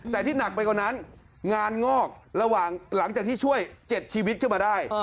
แต่ที่หนักไปกว่านั้นงานงอกระหว่างหลังจากที่ช่วย๗ชีวิตขึ้นมาได้